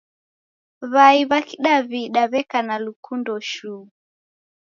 W'ai w'a kidaw'ida w'eka na lukundo shuu.